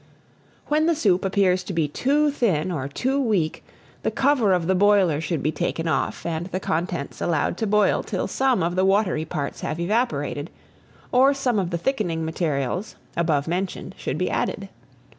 When the soup appears to be too thin or too weak, the cover of the boiler should be taken off, and the contents allowed to boil till some of the watery parts have evaporated; or some of the thickening materials, above mentioned, should be added.